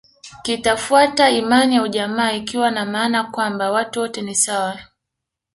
Kitafuata imani ya ujamaa ikiwa na maana kwamba watu wote ni sawa